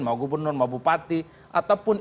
mau gubernur mau bupati ataupun